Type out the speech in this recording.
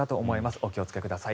お気をつけください。